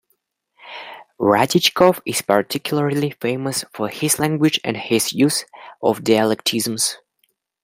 Radichkov is particularly famous for his language and his use of dialectisms.